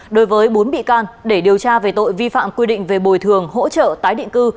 đối với bốn bị can để điều tra về tội vi phạm quy định về bồi thường hỗ trợ tái định cư